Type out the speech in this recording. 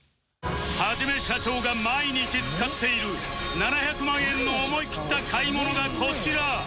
はじめしゃちょーが毎日使っている７００万円の思い切った買い物がこちら！